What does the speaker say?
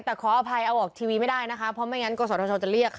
แต่ขออภัยเอาออกทีวีไม่ได้นะคะเพราะไม่อย่างนั้นกษัตริย์โทรจะเรียกค่ะ